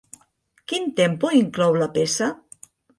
Quin tempo inclou la peça?